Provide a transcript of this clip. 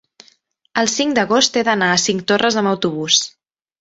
El cinc d'agost he d'anar a Cinctorres amb autobús.